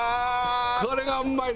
これがうまいの。